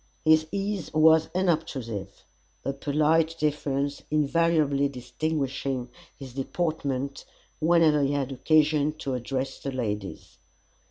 His ease was unobtrusive, a polite deference invariably distinguishing his deportment whenever he had occasion to address the ladies.